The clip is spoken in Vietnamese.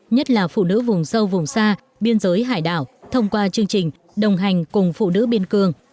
nhất là phụ nữ vùng sâu vùng xa biên giới hải đảo thông qua chương trình đồng hành cùng phụ nữ biên cương